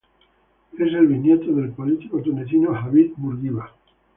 Es el bisnieto del político tunecino Habib Bourguiba.